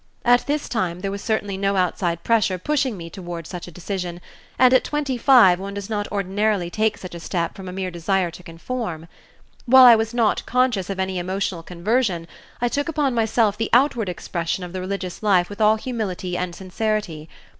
At this time there was certainly no outside pressure pushing me towards such a decision, and at twenty five one does not ordinarily take such a step from a mere desire to conform. While I was not conscious of any emotional "conversion," I took upon myself the outward expressions of the religious life with all humility and sincerity.